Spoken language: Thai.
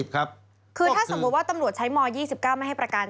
คือถ้าสมมุติว่าตำรวจใช้ม๒๙ไม่ให้ประกัน